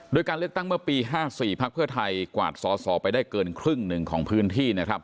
โดยการเลือกตั้งเมื่อปี๕๔พักเพื่อไทยกวาดสอสอไปได้เกินครึ่งหนึ่งของพื้นที่นะครับ